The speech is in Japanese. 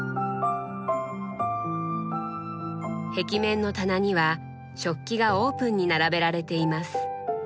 壁面の棚には食器がオープンに並べられています。